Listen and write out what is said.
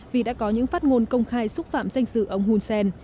vì đã có những phát ngôn công khai xúc phạm danh dự ông hunsen